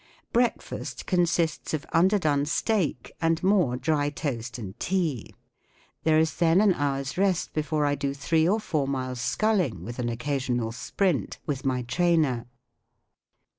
Breakfast consists of underdone steak, and more dry toast and tea. There is then an hour's rest before I do three or four miles sculling with an occasional sprint with my trainer.